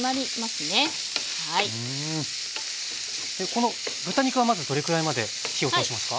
この豚肉はまずどれくらいまで火を通しますか？